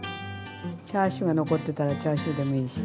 チャーシューが残ってたらチャーシューでもいいし。